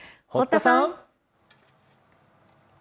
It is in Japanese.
堀田さん。